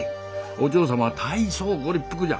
お嬢様は大層ご立腹じゃ。